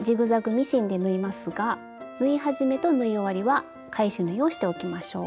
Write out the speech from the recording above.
ミシンで縫いますが縫い始めと縫い終わりは返し縫いをしておきましょう。